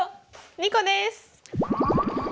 ２個です。